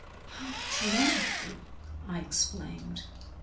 "How dreadful!" I exclaimed.